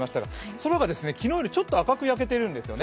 空が昨日よりちょっと赤く焼けてるんですよね。